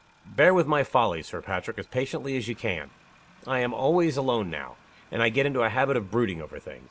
"Bear with my folly, Sir Patrick, as patiently as you can! I am always alone now; and I get into a habit of brooding over things.